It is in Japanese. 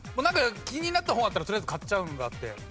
気になった本があったらとりあえず買っちゃうのがあって。